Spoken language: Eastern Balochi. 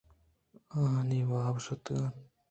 آئی ءِ واب شتگ اَنت